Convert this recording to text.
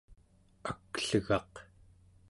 aklegaq